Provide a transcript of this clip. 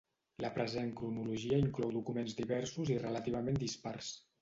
La present cronologia inclou documents diversos i relativament dispars.